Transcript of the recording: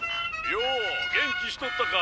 「よお元気しとったか」